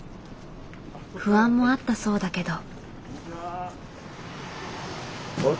不安もあったそうだけど。